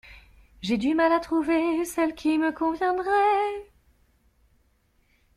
J'ai du mal à trouver celle qui me conviendrait.